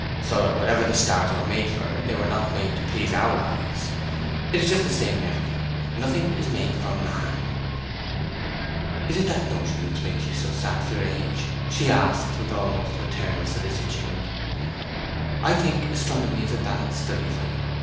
So that, whatever the stars were made for, they were not made to please our eyes. It is just the same in everything; nothing is made for man.' 'Is it that notion which makes you so sad for your age?' she asked, with almost maternal solicitude. 'I think astronomy is a bad study for you.